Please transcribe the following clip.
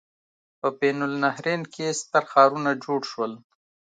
په بین النهرین کې ستر ښارونه جوړ شول.